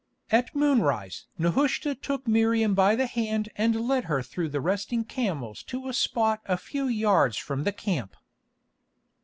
At moonrise Nehushta took Miriam by the hand and led her through the resting camels to a spot a few yards from the camp.